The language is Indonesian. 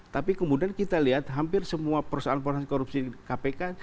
tapi kemudian kita lihat hampir semua perusahaan perusahaan korupsi di kpk